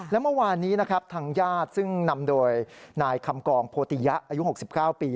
และเมื่อวานนี้นะครับทางญาติซึ่งนำโดยนายคำกองโพติยะอายุ๖๙ปี